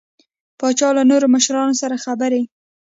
پاچا له نورو مشرانو سره خبرې